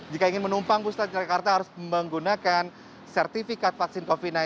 jika ingin menumpang pusat jakarta harus menggunakan sertifikat vaksin covid sembilan belas